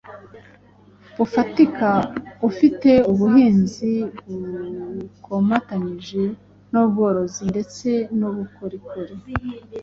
bufatika. Afite ubuhinzi bukomatanyije n’ubworozi ndetse n’ubukorikori